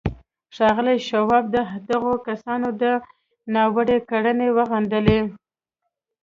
ښاغلي شواب د دغو کسانو دا ناوړه کړنې وغندلې